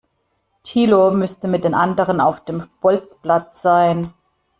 Thilo müsste mit den anderen auf dem Bolzplatz sein.